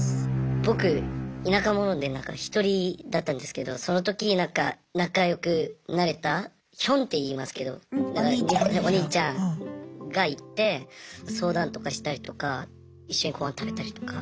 僕田舎者で１人だったんですけどその時仲良くなれたヒョンっていいますけどお兄ちゃんがいて相談とかしたりとか一緒に御飯食べたりとか。